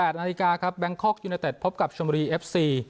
นาฬิกาครับแบงคอกยูเนเต็ดพบกับชมบุรีเอฟซี